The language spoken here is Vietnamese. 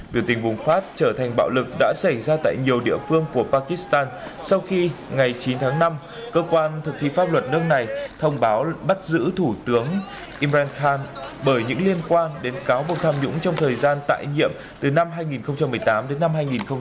biểu tình bùng phát trở thành bạo lực đã xảy ra tại nhiều địa phương của pakistan sau khi ngày chín tháng năm cơ quan thực thi pháp luật nước này thông báo bắt giữ thủ tướng kim brand khan bởi những liên quan đến cáo buộc tham nhũng trong thời gian tại nhiệm từ năm hai nghìn một mươi tám đến năm hai nghìn một mươi chín